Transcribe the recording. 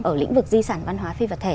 ở lĩnh vực di sản văn hóa phi vật thể